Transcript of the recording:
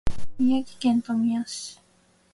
宮城県富谷市